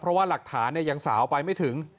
เพราะว่าหลักฐานยังสาวไปไม่ถึง